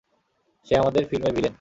সে আমাদের ফিল্মের ভিলেন।